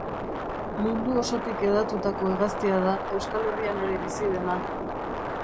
Mundu osotik hedatutako hegaztia da, Euskal Herrian ere bizi dena.